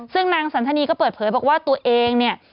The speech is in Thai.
ซึ่งนางสันธนีก็เปิดเผยบอกว่าตัวเองเนี่ย